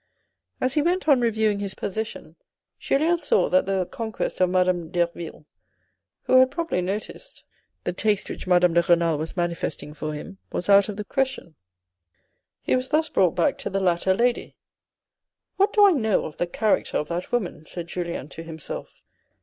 As he went on reviewing his position, Julien saw that the conquest of Madame Derville, who had probably noticed the THE OPEN WORK STOCKINGS 83 taste which Madame de Renal was manifesting for him, was out of the question. He was thus brought back to the latter lady. " What do I know of the character of that woman ?" said Julien to himself.